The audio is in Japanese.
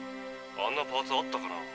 あんなパーツあったかな？